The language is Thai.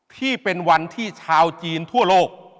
ที่เป็นวันที่ชาวจีนทั่วโลก